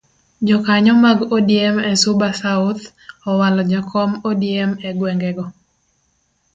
Jokanyo mag odm e suba south owalo jakom odm egwengego.